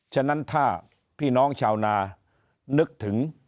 ฉะนั้นถ้าพี่น้องชาวนานึกถึง